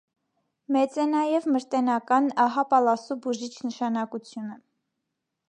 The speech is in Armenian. Մեծ է նաև մրտենական հապալասու բուժիչ նշանակությունը։